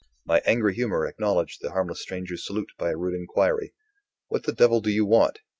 My angry humor acknowledged the harmless stranger's salute by a rude inquiry: "What the devil do you want?"